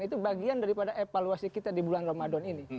itu bagian daripada evaluasi kita di bulan ramadan ini